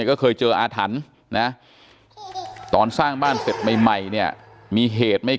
ก็เคยเจออาถรรพ์นะตอนสร้างบ้านเสร็จใหม่เนี่ยมีเหตุไม่